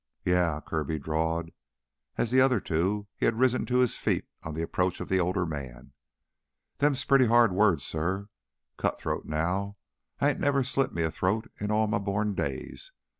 "Yeah," Kirby drawled. As the other two, he had risen to his feet on the approach of the older man. "Them's pretty harsh words, suh. Cutthroat now I ain't never slit me a throat in all my born days.